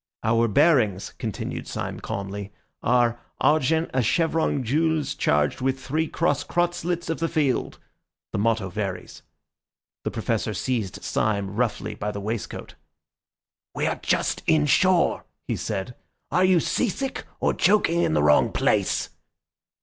"Our bearings," continued Syme calmly, "are 'argent a chevron gules charged with three cross crosslets of the field.' The motto varies." The Professor seized Syme roughly by the waistcoat. "We are just inshore," he said. "Are you seasick or joking in the wrong place?"